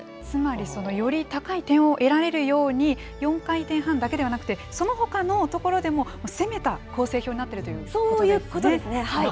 つまり、より高い点を得られるように、４回転半だけではなくて、そのほかのところでも、攻めた構成表になっているということそういうことですね。